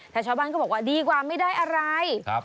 แต่ชาวบ้านก็บอกว่าดีกว่าไม่ได้อะไร